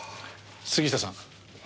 杉下さん